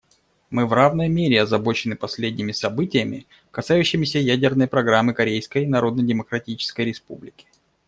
Мы в равной мере озабочены последними событиями, касающимися ядерной программы Корейской Народно-Демократической Республики.